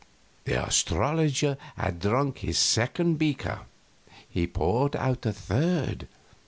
The astrologer had drunk his second beaker; he poured out a third.